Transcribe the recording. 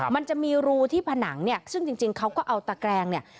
มันจะมีรูที่ผนังเนี่ยซึ่งจริงเขาก็เอาตะแกรงเนี่ย